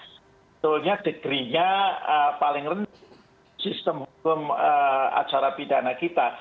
sebetulnya degrinya paling rendah di sistem hukum acara pidana kita